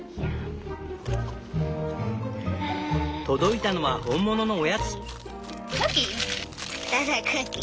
届いたのは本物のおやつ！